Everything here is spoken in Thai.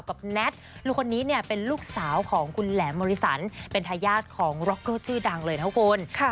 แน็ตลูกคนนี้เนี่ยเป็นลูกสาวของคุณแหลมมริสันเป็นทายาทของร็อกเกอร์ชื่อดังเลยนะคุณ